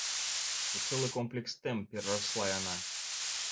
У цэлы комплекс тэм перарасла яна.